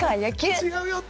違うよって。